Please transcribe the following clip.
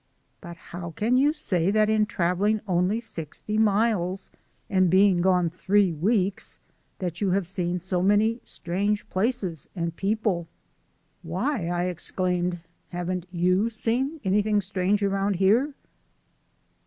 "But how can you say that in travelling only sixty miles and being gone three weeks that you have seen so many strange places and people?" "Why," I exclaimed, "haven't you seen anything strange around here?'"